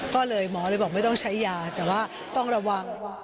ก็เลยหมอเลยบอกไม่ต้องใช้ยาแต่ว่าต้องระวัง